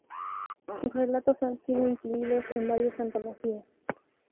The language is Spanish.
Sus relatos han sido incluidos en varias antologías.